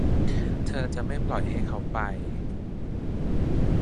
เธอจะไม่ปล่อยให้เขาไป